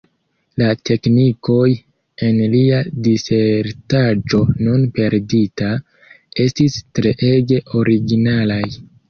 La teknikoj en lia disertaĵo, nun perdita, estis treege originalaj.